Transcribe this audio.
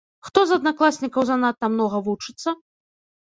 Хто з аднакласнікаў занадта многа вучыцца?